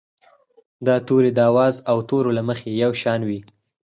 دا توري د آواز او تورو له مخې یو شان وي.